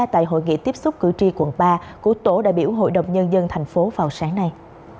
tại hội nghị tiếp xúc cử tri quận ba của tổ đại biểu hội đồng nhân dân thành phố vào sáng nay